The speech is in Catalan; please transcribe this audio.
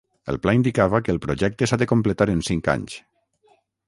El pla indicava que el projecte s'ha de completar en cinc anys.